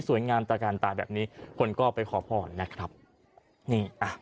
งามตะการตายแบบนี้คนก็ไปขอพรนะครับนี่อ่ะ